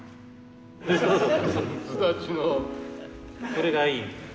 これがいい。